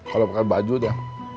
kalau pakai baju dia